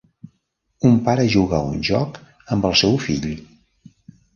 Un pare juga a un joc amb el seu fill.